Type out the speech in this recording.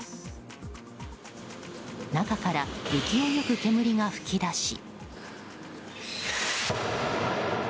中から勢いよく煙が吹き出し。